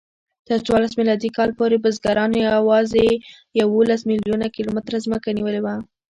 تر څوارلس میلادي کال پورې بزګرانو یواځې یوولس میلیونه کیلومتره ځمکه نیولې وه.